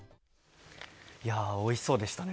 おいしそうでしたね。